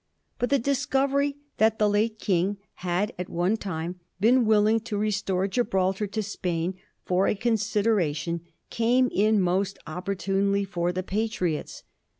But the discovery that the late King had at one time been willing to restore Gibraltar to Spain for a consideration came in most opportunely for the Patriots.